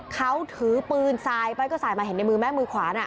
เขาถือปืนสายไปก็สายมาเห็นในมือไหมมือขวาน่ะ